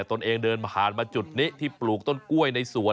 ตนเองเดินผ่านมาจุดนี้ที่ปลูกต้นกล้วยในสวน